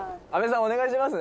お願いしますね